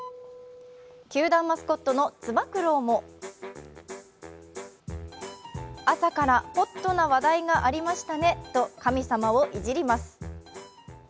球団マスコットのつば九郎も「あさからＨＯＴなわだいがありましたね」と神様をいじります。